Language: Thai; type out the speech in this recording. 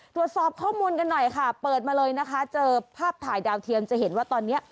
ตรวจสอบข้อมูลกันหน่อยค่ะเปิดมาเลยนะคะเจอภาพถ่ายดาวเทียมจะเห็นว่าตอนนี้